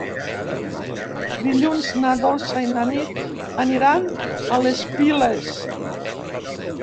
Dilluns na Dolça i na Nit aniran a les Piles.